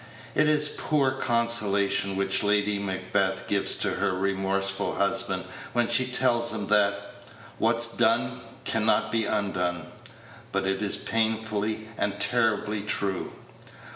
It is poor consolation which Lady Macbeth gives to her remorseful husband when she tells him that "what's done can not be undone;" but it is painfully and terribly true.